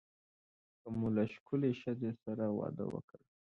که مو له ښکلې ښځې سره واده وکړ.